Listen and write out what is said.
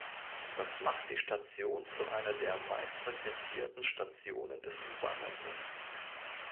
Das macht die Station zu einer der meistfrequentierten Stationen des U-Bahn-Netzes.